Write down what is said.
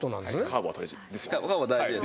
カーボは大事です。